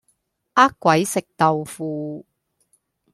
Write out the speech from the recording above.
呃鬼食豆腐